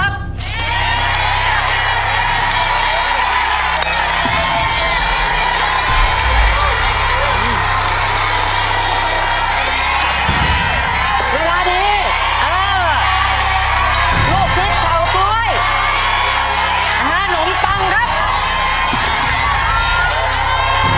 พร้อมครับ